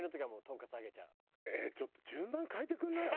えっちょっと順番変えてくんない？